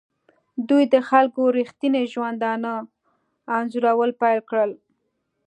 دوی د خلکو ریښتیني ژوندانه انځورول پیل کړل.